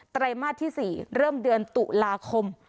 ไรมาสที่๔เริ่มเดือนตุลาคม